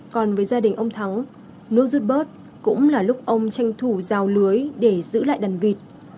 còn với gia đình ông thắng nước rút bớt cũng là lúc ông tranh thủ rào lưới để giữ lại đàn vịt